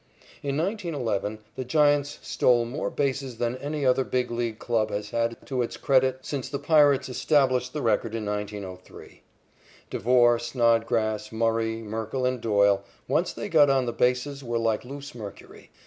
In 1911, the Giants stole more bases than any other Big League club has had to its credit since the Pirates established the record in 1903. Devore, Snodgrass, Murray, Merkle and Doyle, once they got on the bases were like loose mercury.